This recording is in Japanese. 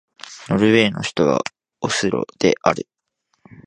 ノルウェーの首都はオスロである